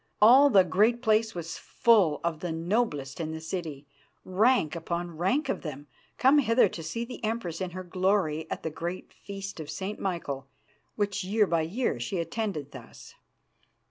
All the great place was full of the noblest in the city, rank upon rank of them, come thither to see the Empress in her glory at the great Feast of St. Michael, which year by year she attended thus.